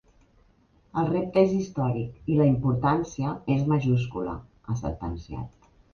El repte és històric i la importància és majúscula, ha sentenciat.